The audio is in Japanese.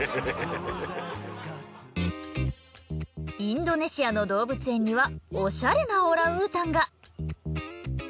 インドネシアの動物園にはオシャレなオランウータンが。